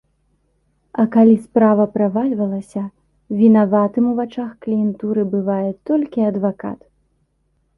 А калі справа правальвалася, вінаватым у вачах кліентуры бывае толькі адвакат.